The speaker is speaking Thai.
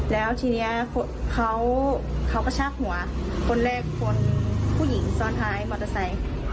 แล้วทีนี้เขากระชากหัวคนแรกคนผู้หญิงซ้อนท้ายมอเตอร์ไซค์